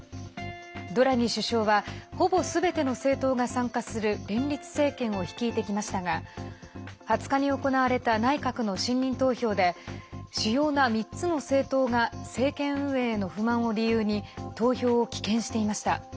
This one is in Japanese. ドラギ首相はほぼすべての政党が参加する連立政権を率いてきましたが２０日に行われた内閣の信任投票で主要な３つの政党が政権運営への不満を理由に投票を棄権していました。